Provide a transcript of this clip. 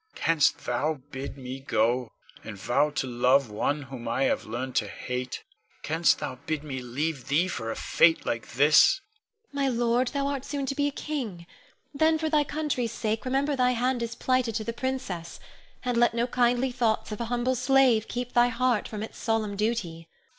Canst thou bid me go, and vow to love one whom I have learned to hate? Canst thou bid me leave thee for a fate like this? Ione. My lord, thou art soon to be a king; then for thy country's sake, remember thy hand is plighted to the princess, and let no kindly thoughts of a humble slave keep thy heart from its solemn duty.